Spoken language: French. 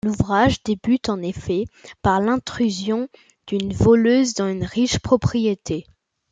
L'ouvrage débute en effet par l'intrusion d'une voleuse dans une riche propriété.